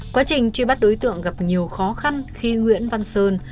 quá trình truy bắt đối tượng gặp nhiều khó khăn khi nguyễn văn sơn